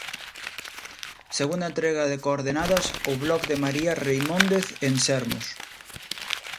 Segunda entrega de Coordenadas, o vlog de María Reimóndez en Sermos.